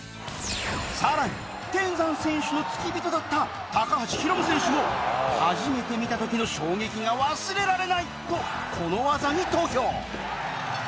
更に天山選手の付き人だった高橋ヒロム選手も「初めて見た時の衝撃が忘れられない！」とこの技に投票